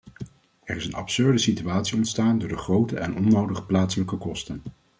Er is een absurde situatie ontstaan door de grote en onnodige plaatselijke kosten.